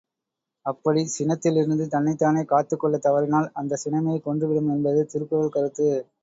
அப்படிச் சினத்திலிருந்து தன்னைத் தானே காத்துக் கொள்ளத் தவறினால் அந்தச் சினமே கொன்று விடும் என்பது திருக்குறள் கருத்து!